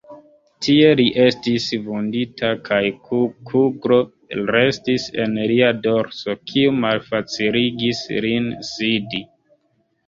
Tie li estis vundita kaj kuglo restis en lia dorso, kiu malfaciligis lin sidi.